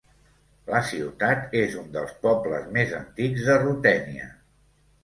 La ciutat és un dels pobles més antics de Rutènia.